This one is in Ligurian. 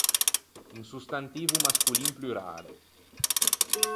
Un sostantivo mascolin plurale.